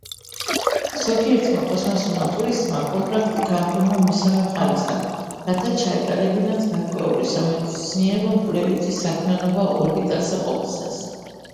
ზოგიერთმა კოსმოსურმა ტურისტმა კონტრაქტი გააფორმა მესამე მხარესთან, რათა ჩაეტარებინათ გარკვეული სამეცნიერო-კვლევითი საქმიანობა ორბიტაზე ყოფნისას.